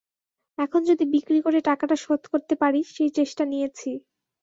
এখন যদি বিক্রি করে টাকাটা শোধ করতে পারি, সেই চেষ্টা নিয়েছি।